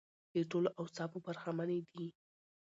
له ټولو اوصافو برخمنې دي.